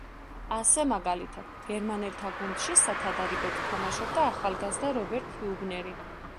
ასე მაგალითად, გერმანელთა გუნდში სათადარიგოდ თამაშობდა ახალგაზრდა რობერტ ჰიუბნერი.